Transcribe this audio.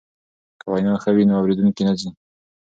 که وینا ښه وي نو اوریدونکی نه ځي.